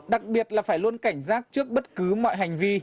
đặc biệt là phải luôn cảnh giác trước bất cứ mọi hành vi